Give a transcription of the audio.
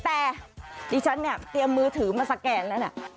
แต่ดิฉันเตรียมมือถือมาสแกนแล้ว